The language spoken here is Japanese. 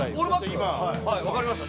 はい分かりました。